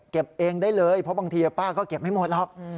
เองได้เลยเพราะบางทีป้าก็เก็บไม่หมดหรอก